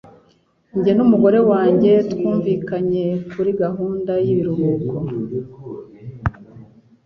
Jye n'umugore wanjye twumvikanye kuri gahunda y'ibiruhuko.